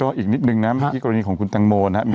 ก็อีกนิดนึงนะเมื่อกี้กรณีของคุณตังโมนะครับ